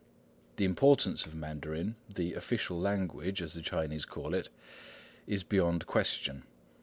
The importance of Mandarin, the "official language" as the Chinese call it, is beyond question.